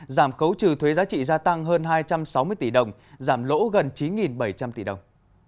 giảm khấu trừ thuế giá trị gia tăng hơn hai trăm sáu mươi tỷ đồng giảm lỗ gần chín bảy trăm linh tỷ đồng